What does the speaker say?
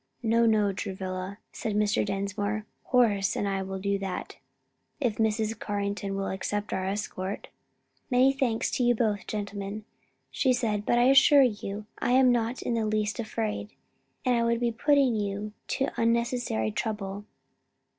"No, no, Travilla," said Mr. Dinsmore, "Horace and I will do that, if Mrs. Carrington will accept our escort." "Many thanks to you both, gentlemen," she said, "but I assure you I am not in the least afraid; and it would be putting you to unnecessary trouble."